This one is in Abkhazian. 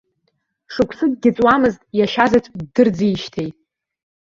Шықәсыкгьы ҵуамызт иашьазаҵә ддырӡижьҭеи.